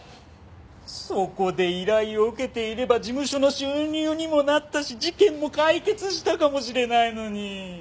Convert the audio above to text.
そこで依頼を受けていれば事務所の収入にもなったし事件も解決したかもしれないのに。